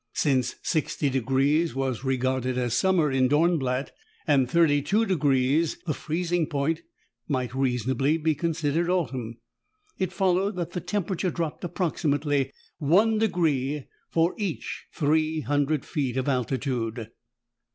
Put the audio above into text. Since sixty degrees was regarded as summer in Dornblatt, and thirty two degrees, the freezing point, might reasonably be considered autumn, it followed that the temperature dropped approximately one degree for each three hundred feet of altitude.